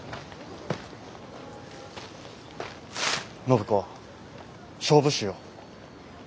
暢子勝負しよう。